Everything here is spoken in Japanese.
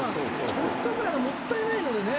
ちょっとぐらい、もったいないのでね。